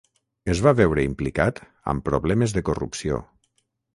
Es va veure implicat amb problemes de corrupció.